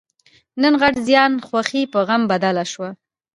نن غټ زیان؛ خوښي په غم بدله شوه.